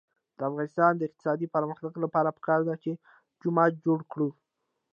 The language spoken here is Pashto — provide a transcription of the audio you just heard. د افغانستان د اقتصادي پرمختګ لپاره پکار ده چې جومات جوړ کړو.